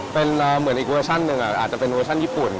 เป็นเหมือนอีกเวอร์ชั่นหนึ่งอาจจะเป็นเวอร์ชั่นญี่ปุ่น